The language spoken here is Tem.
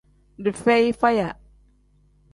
Dii feyi faya.